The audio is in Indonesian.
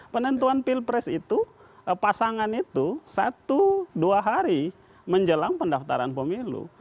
penentuan pilpres itu pasangan itu satu dua hari menjelang pendaftaran pemilu